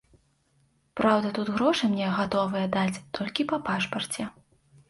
Праўда, тут грошы мне гатовыя даць толькі па пашпарце.